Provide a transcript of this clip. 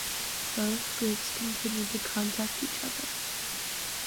Both groups continued to contact each other.